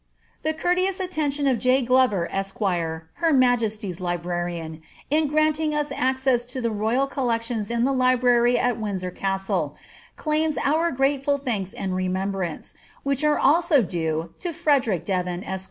The courteous attention of J. Glover, esq., her Majesty's librarian, in granting us access to the royal collections in the library at Windsor Castle, claims our grateful thanks and remembrance, which are alsp due lo Frederick Devon, esq.